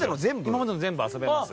今までの全部遊べます。